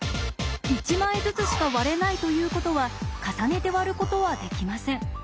１枚ずつしか割れないということは重ねて割ることはできません。